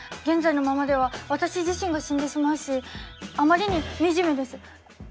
現在のままでは私自身が死んでしまうしあまりに惨めです。